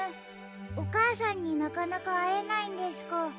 おかあさんになかなかあえないんですか。